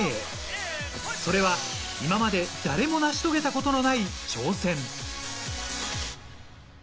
それは今まで誰も成し遂げたことのない挑戦。